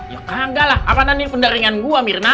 ya kagak lah apaan ini pendaringan gua mirna